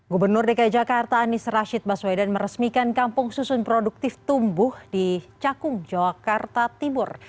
gubernur dki jakarta anies rashid baswedan meresmikan kampung susun produktif tumbuh di cakung jakarta timur